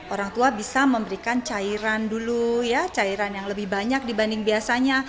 orang tua bisa memberikan cairan dulu ya cairan yang lebih banyak dibanding biasanya